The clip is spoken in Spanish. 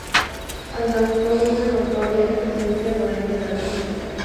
Alcanzó una notoria presencia durante la transición.